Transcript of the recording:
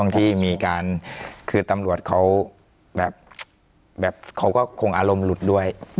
ที่มีการคือตำรวจเขาแบบเขาก็คงอารมณ์หลุดด้วย